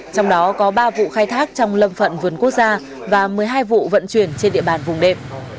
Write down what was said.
trong đó có ba vụ khai thác trong lâm phận vườn quốc gia và một mươi hai vụ vận chuyển trên địa bàn vùng đệm